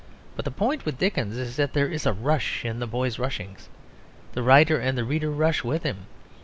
But the point with Dickens is that there is a rush in the boy's rushings; the writer and the reader rush with him.